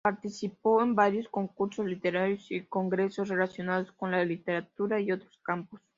Participó en varios concursos literarios y congresos relacionados con la literatura y otros campos.